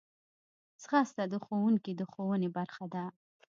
ځغاسته د ښوونکي د ښوونې برخه ده